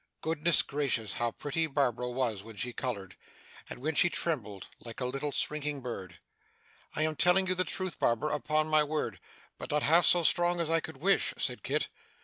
Goodness gracious, how pretty Barbara was when she coloured and when she trembled, like a little shrinking bird! 'I am telling you the truth, Barbara, upon my word, but not half so strong as I could wish,' said Kit.